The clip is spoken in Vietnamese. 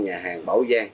nhà hàng bảo giang